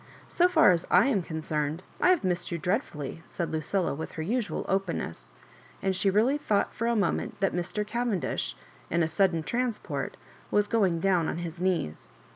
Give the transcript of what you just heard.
So far as I am concerned, I have missed you dreadfully," said Lucilla, with her usual openness ; and she really thought for a mo ment that Mr. Cavendish in a sudden transport was going down on his knees.